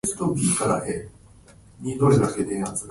こんにちはさようなら